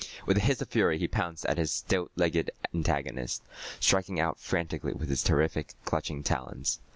With a hiss of fury, he pounced at his stilt legged antagonist, striking out frantically with his terrific, clutching talons.